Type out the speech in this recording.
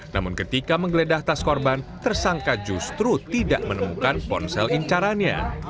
namun ketika menggeledah tas korban tersangka justru tidak menemukan ponsel incarannya